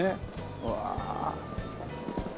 うわ。